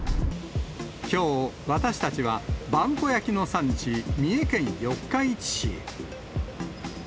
きょう、私たちは萬古焼の産地、三重県四日市市へ。